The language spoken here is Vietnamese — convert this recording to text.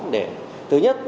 để thứ nhất